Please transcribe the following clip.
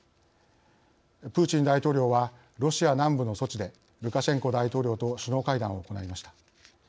プーチン大統領はロシア南部のソチでルカシェンコ大統領と首脳会談を行いました。